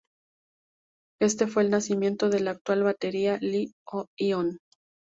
Este fue el nacimiento de la actual batería Li-ion.